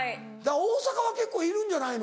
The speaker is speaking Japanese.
大阪は結構いるんじゃないの？